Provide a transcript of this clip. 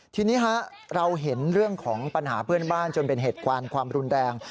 ทีนี้เราเห็นเรื่องของปัญหาเพื่อนบ้านจนเป็นเหตุการณ์ความรุนแรง